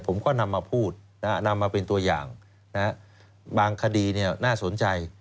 ผมก็นำมาพูดนำมาเป็นตัวอย่างบางคดีน่าสนใจ